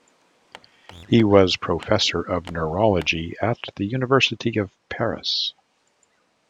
He was professor of neurology at the University of Paris.